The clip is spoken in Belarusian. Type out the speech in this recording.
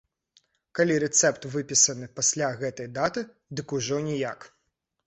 Калі рэцэпт выпісаны пасля гэтай даты, дык ўжо ніяк.